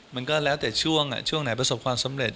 มันก็แล้วแต่ช่วงช่วงไหนประสบความสำเร็จ